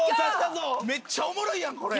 めっちゃおもろいやんこれ！